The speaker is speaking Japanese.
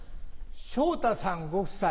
昇太さんご夫妻